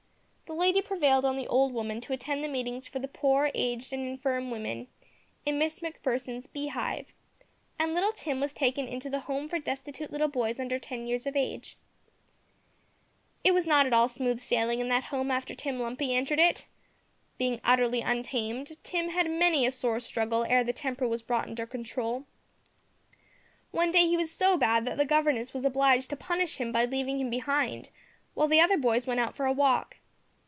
The lady prevailed on the old woman to attend the meetings for poor, aged, and infirm women in Miss Macpherson's "Beehive," and little Tim was taken into the "Home for Destitute Little Boys under ten years of age." It was not all smooth sailing in that Home after Tim Lumpy entered it! Being utterly untamed, Tim had many a sore struggle ere the temper was brought under control. One day he was so bad that the governess was obliged to punish him by leaving him behind, while the other boys went out for a walk.